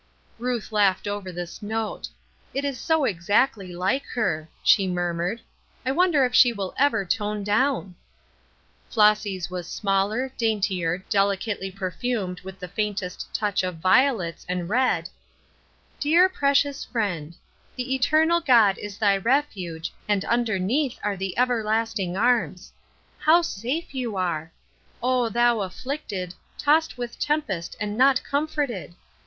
Ruth laughed over this note. ,' It is so exactly like her," she murmured. " I wonder if she will ever tone down ?" Flossy's was smaller, daintier, delicately per fumed with the faintest touch of violets, and read :" Dear, Precious Friend —' The eternal God is thy refuge, and underneath are the everlasting arms.' How safe you are !' Oh, thou afiQicted, tossed with tempest and not comforted